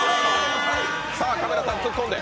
カメラさん突っ込んで。